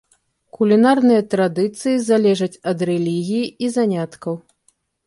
Кулінарныя традыцыі залежаць ад рэлігіі і заняткаў.